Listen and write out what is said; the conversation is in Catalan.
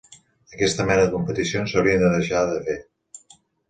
Aquesta mena de competicions s'haurien de deixar de fer.